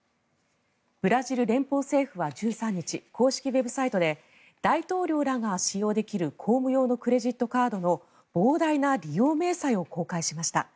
ブラジル連邦政府は１３日公式ウェブサイトで大統領らが使用できる公務用のクレジットカードの膨大な利用明細を公開しました。